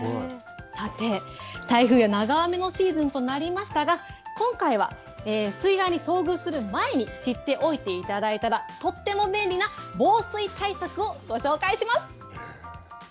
さて、台風や長雨のシーズンとなりましたが、今回は水害に遭遇する前に知っておいていただいたら、とっても便利な防水対策をご紹介します。